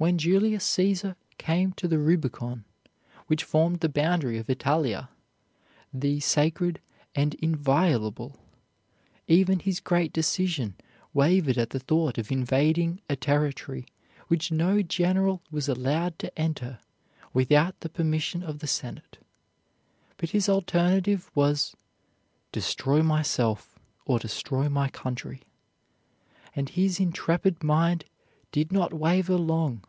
When Julius Caesar came to the Rubicon, which formed the boundary of Italia, "the sacred and inviolable," even his great decision wavered at the thought of invading a territory which no general was allowed to enter without the permission of the Senate. But his alternative was "destroy myself, or destroy my country," and his intrepid mind did not waver long.